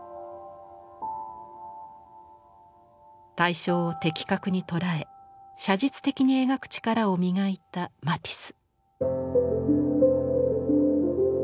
対象を的確に捉え写実的に描く力を磨いたマティス。